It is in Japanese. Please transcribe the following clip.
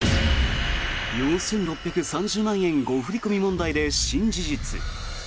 ４６３０万円誤振り込み問題で新事実。